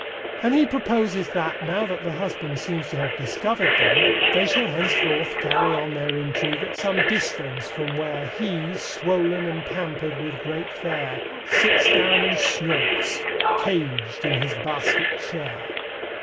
And he proposes that, now that the husband seems to have discovered them, they shall henceforth carry on their intrigue at some distance from where He, swol'n and pampered with great fare, Sits down and snorts, cag'd in his basket chair.